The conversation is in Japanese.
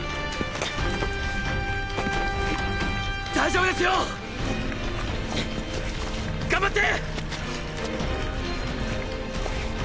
大丈夫ですよ！頑張って！